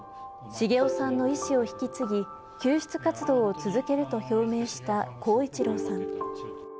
繁雄さんの遺志を引き継ぎ、救出活動を続けると表明した耕一郎さん。